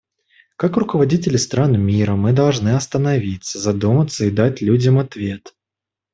Как руководители стран мира мы должны остановиться, задуматься и дать людям ответ.